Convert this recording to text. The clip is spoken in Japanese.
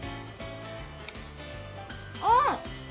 うん！